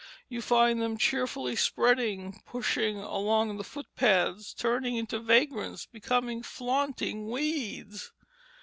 You find them cheerfully spreading, pushing along the foot paths, turning into vagrants, becoming flaunting weeds.